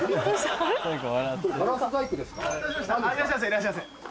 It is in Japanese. いらっしゃいませ。